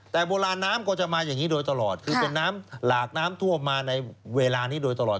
แต่โบราณน้ำก็จะมาอย่างนี้โดยตลอดคือเป็นน้ำหลากน้ำท่วมมาในเวลานี้โดยตลอด